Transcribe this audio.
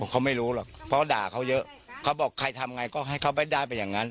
เขาไม่รู้หรอกเพราะด่าเขาเยอะเขาบอกใครทำไงก็ให้เขาไม่ได้ไปอย่างนั้น